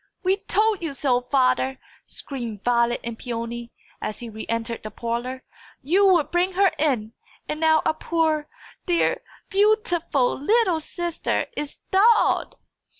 "We told you so, father!" screamed Violet and Peony, as he re entered the parlour. "You would bring her in; and now our poor dear beau ti ful little snow sister is thawed!"